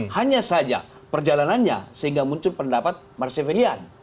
hanya saja perjalanannya sehingga muncul pendapat marcelian